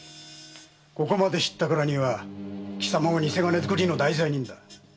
ここまで知ったからにはきさまも偽金造りの大罪人だ。